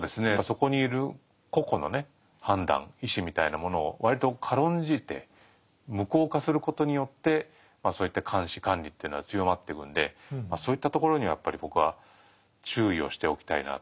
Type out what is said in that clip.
そこにいる個々の判断意思みたいなものを割と軽んじて無効化することによってそういった監視・管理っていうのは強まってくんでそういったところにやっぱり僕は注意をしておきたいな。